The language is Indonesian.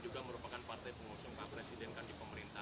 terus pak jokowi juga merupakan partai pengusung presiden di pemerintahan